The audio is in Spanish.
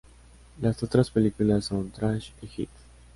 Las otras películas son:"Trash" y "Heat".